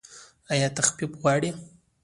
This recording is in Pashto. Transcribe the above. ایا تخفیف غواړئ؟